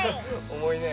重いね。